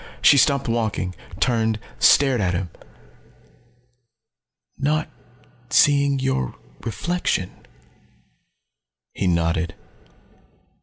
She stopped walking, turned, stared at him. "Not not seeing your reflection!" He nodded.